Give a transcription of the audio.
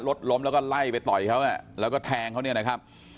รถล้มแล้วก็ไล่ไปต่อยเขาแล้วก็แทงเขาเนี่ยนะครับ